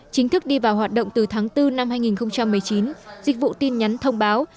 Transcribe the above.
chính thức đi vào hoạt động từ tháng bốn năm hai nghìn một mươi chín dịch vụ tin nhắn thông báo